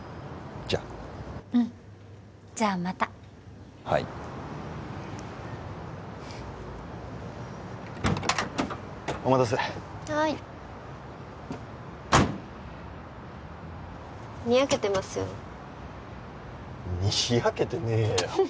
じゃあうんじゃあまたはいお待たせはいにやけてますよにやけてねえよ